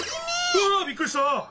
うわっびっくりした！